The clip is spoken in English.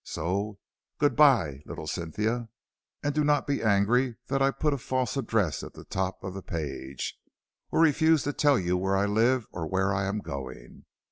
So good by, little Cynthia, and do not be angry that I put a false address at the top of the page, or refuse to tell you where I live, or where I am going.